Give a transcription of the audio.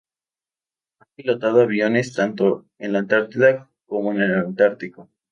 Ha pilotado aviones tanto en la Antártida como en el Ártico.